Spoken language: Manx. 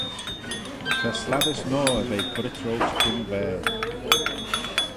Ta slattys noa er ve currit roish Tinvaal.